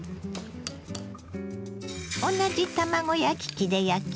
同じ卵焼き器で焼きます。